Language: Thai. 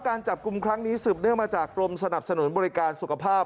การจับกลุ่มครั้งนี้สืบเนื่องมาจากกรมสนับสนุนบริการสุขภาพ